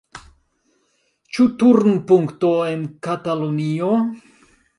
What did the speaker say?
Ĉu turnpunkto en Katalunio?